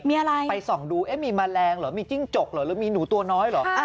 มีอะไรไปส่องดูเอ๊ะมีแมลงเหรอมีจิ้งจกเหรอหรือมีหนูตัวน้อยเหรอ